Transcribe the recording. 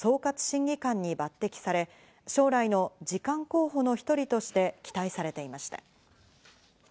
審議官に抜擢され、将来の次官候補の１人として期待されていました。